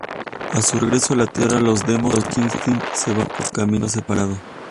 A su regreso a la Tierra, los Demon Knights se van por caminos separados.